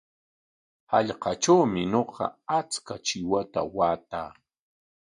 Hallqatrawmi ñuqa achka chiwata waataa.